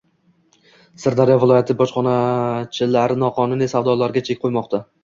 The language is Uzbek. Sirdaryo viloyati bojxonachilari noqonuniy savdolarga chek qo‘ymoqda